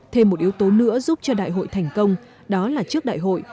thêm một yếu tố nữa giúp cho đại hội thành công đó là trước đại hội